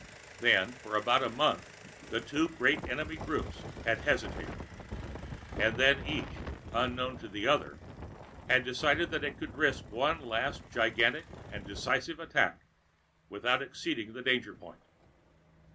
Then, for about a month, the two great enemy groups had hesitated. And then each, unknown to the other, had decided it could risk one last gigantic and decisive attack without exceeding the danger point.